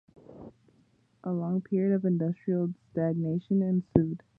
A long period of industrial stagnation ensued.